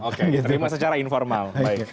oke diterima secara informal